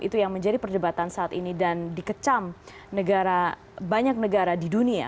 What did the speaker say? itu yang menjadi perdebatan saat ini dan dikecam banyak negara di dunia